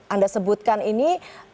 anda sebutkan ini